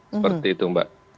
seperti itu mbak